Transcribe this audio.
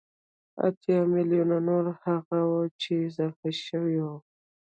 اتيا ميليونه نور هغه وو چې اضافه شوي وو